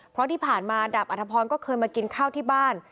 เพราะที่ผ่านมาดาบอัธพรก็เคยมากินข้าวที่บ้าน